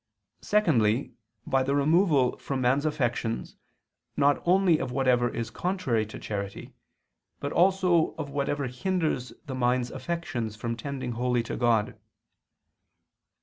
Secondly, by the removal from man's affections not only of whatever is contrary to charity, but also of whatever hinders the mind's affections from tending wholly to God.